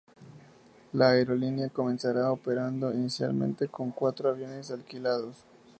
La aerolínea comenzará operando inicialmente con cuatro aviones alquilados.